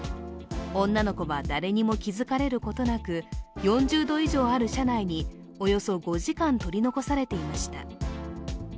女の子は誰にも気づかれることなく４０度以上ある車内におよそ５時間取り残されていました。